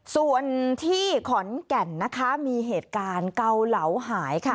ส่วนที่ขอนแก่นนะคะมีเหตุการณ์เกาเหลาหายค่ะ